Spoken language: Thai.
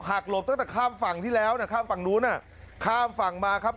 หลบตั้งแต่ข้ามฝั่งที่แล้วนะข้ามฝั่งนู้นน่ะข้ามฝั่งมาครับ